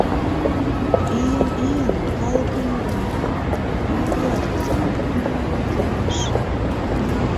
Ийын-ийын калык у мурым мура, но нигӧат возен ок кодо — йомеш.